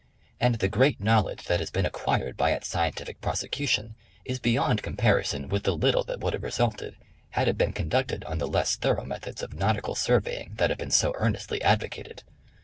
And the great knowledge that has been ac quired by its scientific prosecution, is beyond comparison with the little that would have resulted had it been conducted on the less thorough methods of Nautical Surveying that have been so earnestly advocated.